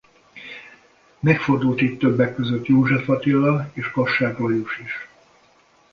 Megfordult itt többek közt József Attila és Kassák Lajos is.